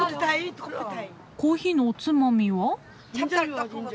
コーヒーのおつまみは？